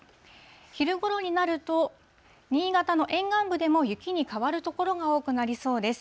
昼ごろになると、新潟の沿岸部でも雪に変わる所が多くなりそうです。